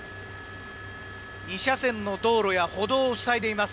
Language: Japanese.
２車線の道路や歩道を塞いでいます。